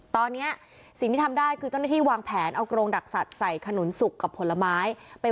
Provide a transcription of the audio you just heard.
ตอนนี้สิ่งที่ทำได้คือเจ้าหน้าที่วางแผนเอากรงดักสัตว์ใส่ขนุนสุกกับผลไม้